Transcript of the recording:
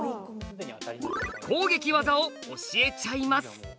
攻撃技を教えちゃいます！